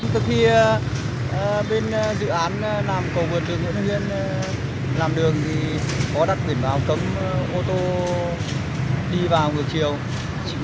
từ khi bên dự án làm cầu vượt đường nguyễn văn hiến làm đường thì có đặt biển báo cấm ô tô đi vào ngược chiều